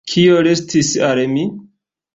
Kio restis al mi?